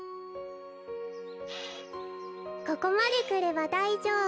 ここまでくればだいじょうぶ。